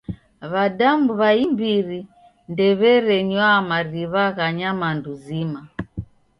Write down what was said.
W'adamu w'a imbiri ndew'erenywa mariw'a gha nyamandu zima.